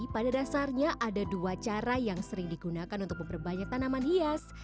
pada dasarnya ada dua cara yang sering digunakan untuk memperbanyak tanaman hias